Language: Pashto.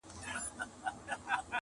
له حجرو څخه به ږغ د ټنګ ټکور وي.!